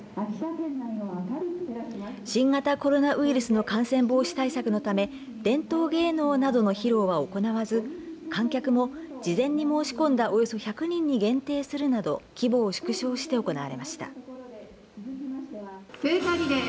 新型コロナウイルスの感染防止対策のため伝統芸能などの披露は行わず観客も事前に申し込んだおよそ１００人に限定するなど規模を縮小して行われました。